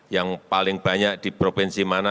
yang paling banyak di provinsi mana